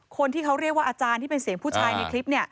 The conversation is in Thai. คนที่เขาเรียกว่าอาจารย์ที่เป็นเสียงผู้ชายในคลิป